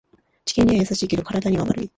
地球には優しいけど体には悪い